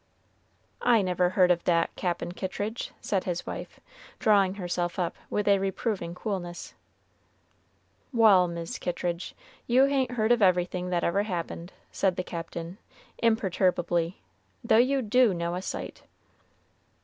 "I never heard of that, Cap'n Kittridge," said his wife, drawing herself up with a reproving coolness. "Wal', Mis' Kittridge, you hain't heard of everything that ever happened," said the Captain, imperturbably, "though you do know a sight."